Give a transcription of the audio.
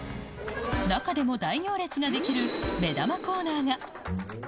中でも大行列が出来る目玉コーナーが。